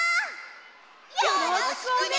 よろしくね！